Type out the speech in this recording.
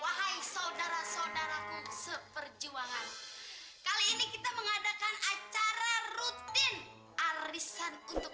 wahai saudara saudaraku seperjuangan kali ini kita mengadakan acara rutin arisan untuk